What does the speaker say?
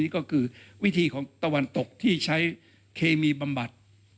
ก็คือวิธีของตะวันตกที่ใช้เคมีบำบัด